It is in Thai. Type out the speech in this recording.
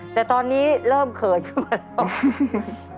แต่ตอนนี้เริ่มเขินกว่าเรา